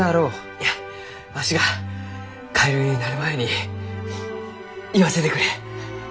いやわしがカエルになる前に言わせてくれ。